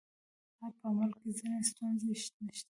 آیا په عمل کې ځینې ستونزې نشته؟